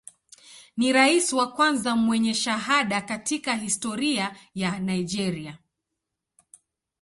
Ni rais wa kwanza mwenye shahada katika historia ya Nigeria.